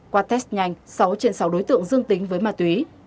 qua test nhanh sáu trên sáu đối tượng dương tính với ma túy